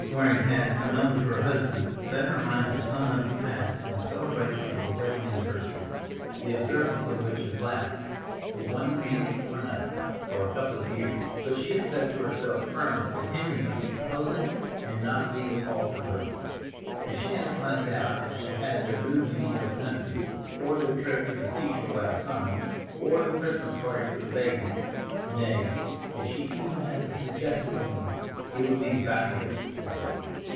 Waring had, unknown to her husband, set her mind for some months past on a celebration of her wedding anniversary, the observance of which had lapsed, for one reason or another, for a couple of years; but she had said to herself firmly that Henry must propose it, and not leave it all to her. If she had to plan it out as she had their moving into the country, or their trip to the seashore last summer, or the Christmas party for the babies—nay, if she even had to suggest it to him, it would be valueless to her.